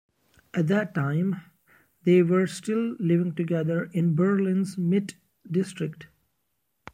At that time, they were still living together in Berlin's Mitte district.